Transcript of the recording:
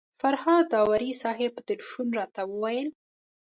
فرهاد داوري صاحب په تیلفون راته وویل.